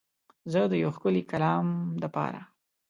زه د یو ښکلی کلام دپاره